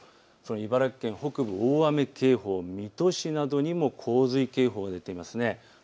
茨城県北部、大雨警報、水戸市などにも洪水警報が出ています。